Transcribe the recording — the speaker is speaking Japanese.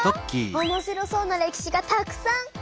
おもしろそうな歴史がたくさん！